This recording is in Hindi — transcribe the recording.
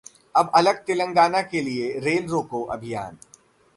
अब अलग तेलंगाना के लिए रेल रोको अभियान